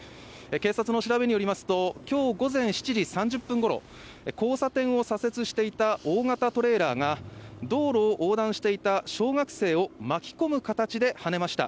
警察の調べによりますと、きょう午前７時３０分ごろ、交差点を左折していた大型トレーラーが、道路を横断していた小学生を巻き込む形ではねました。